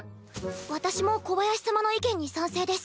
私もコバヤシ様の意見に賛成です。